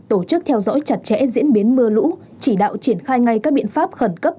tổ chức theo dõi chặt chẽ diễn biến mưa lũ chỉ đạo triển khai ngay các biện pháp khẩn cấp